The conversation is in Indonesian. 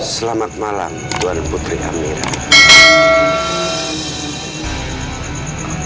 selamat malam tuhan putri amira